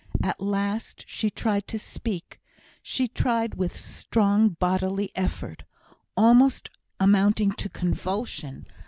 At last she tried to speak; she tried with strong bodily effort, almost amounting to convulsion.